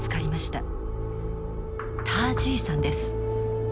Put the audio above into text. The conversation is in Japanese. ター・ジーさんです。